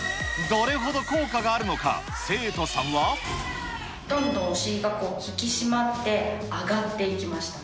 どれほど効果があるのか、どんどんお尻が引き締まって、上がっていきました。